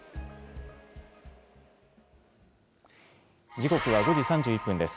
時刻は５時３１分です。